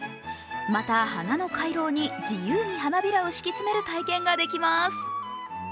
また花の回廊に自由に花を敷き詰める体験ができます。